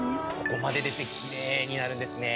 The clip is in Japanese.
ここまできれいになるんですね。